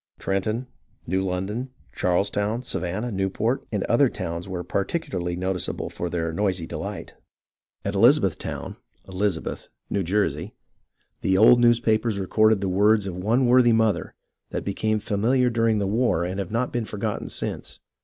Trenton, New Lon don, Charleston, Savannah, Newport, and other towns were particularly noticeable for their noisy delight. INDEPENDENCE 95 At Elizabethtown (Elizabeth), New Jersey, the old news papers record the words of one worthy mother, that be came familiar during the war and have not been forgotten since.